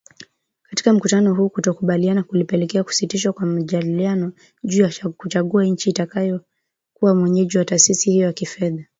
Katika mkutano huu kutokukubaliana kulipelekea kusitishwa kwa majadiliano juu ya kuchagua nchi itakayokuwa mwenyeji wa Taasisi hiyo ya kifedha.